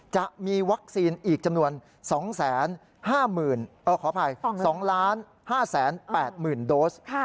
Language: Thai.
จะมีวัคซีนอีกจำนวน๒๕๘๐๐๐โดส